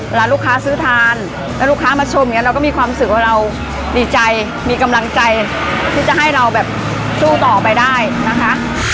เวลาลูกค้าซื้อทานแล้วลูกค้ามาชมอย่างนี้เราก็มีความรู้สึกว่าเราดีใจมีกำลังใจที่จะให้เราแบบสู้ต่อไปได้นะคะ